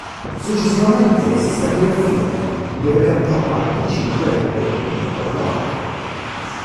Successivamente si stabilì a Fiume, dove cantò anche cinque opere in lingua croata.